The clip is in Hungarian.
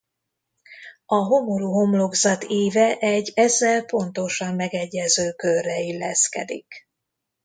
A homorú homlokzat íve egy ezzel pontosan megegyező körre illeszkedik.